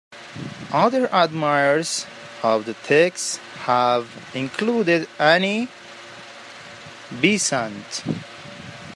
Other admirers of the text have included Annie Besant.